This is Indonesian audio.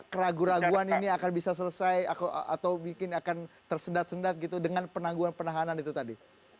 keraguan keraguan ini akan bisa selesai atau mungkin akan tersendat sendat gitu dengan penangguhan penahanan itu tadi